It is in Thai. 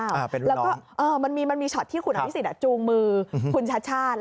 แล้วก็มันมีช็อตที่คุณอภิษฎจูงมือคุณชาติชาติ